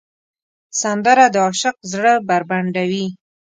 سندره د عاشق زړه بربنډوي